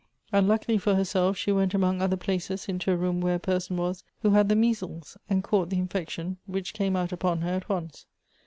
Unluckily for herself, she went among other places into a room where a person was who had the measles, and caught the infection, which came out upon her at once.